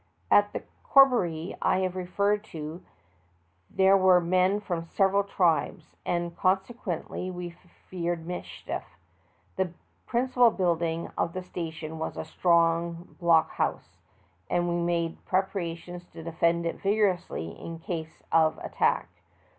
At the corroboree I have referred to, there were men from several tribes, and consequently we feared mischief. The principal building of the station was a strong block hou'se, and we made preparations to defend it vigorously in case of attack.